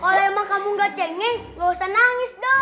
kalau emang kamu gak cengeng gak usah nangis dong